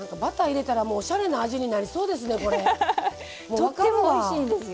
とってもおいしいんですよ。